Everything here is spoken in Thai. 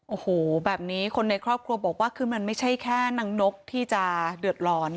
โอ้โหแบบนี้คนในครอบครัวบอกว่าคือมันไม่ใช่แค่นางนกที่จะเดือดร้อน